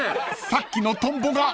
［さっきのトンボが頭に］